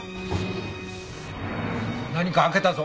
何か開けたぞ。